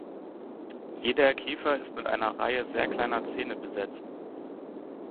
Jeder Kiefer ist mit einer Reihe sehr kleiner Zähne besetzt.